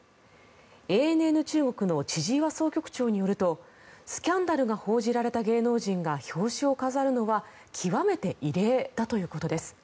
ＡＮＮ中国の千々岩総局長によるとスキャンダルが報じられた芸能人が表紙を飾るのは極めて異例だということです。